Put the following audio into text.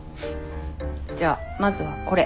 じゃあまずはこれ。